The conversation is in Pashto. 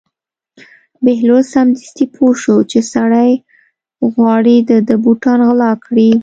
بهلول سمدستي پوه شو چې سړی غواړي د ده بوټان غلا کړي.